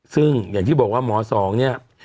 ซึ่งอย่างที่บอกว่าหมอสองเนี่ย